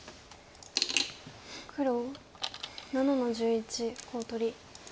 黒７の十一コウ取り。